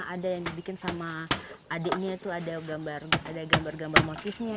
ada yang dibikin sama adiknya itu ada gambar gambar mosisnya